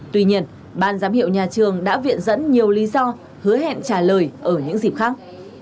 tuy nhiên ban giám hiệu nhà trường đã viện dẫn nhiều lý do hứa hẹn trả lời ở những dịp khác